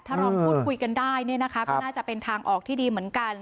ถ้าลองพูดคุยกันได้เนี่ยนะคะก็น่าจะเป็นทางออกที่ดีเหมือนกัน